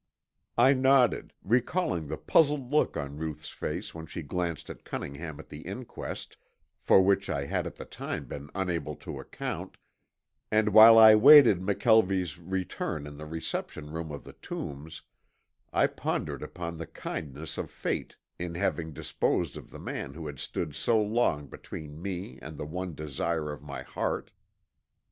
I nodded, recalling the puzzled look on Ruth's face when she glanced at Cunningham at the inquest, for which I had at the time been unable to account, and while I waited McKelvie's return in the reception room of the Tombs, I pondered upon the kindness of Fate in having disposed of the man who had stood so long between me and the one desire of my heart.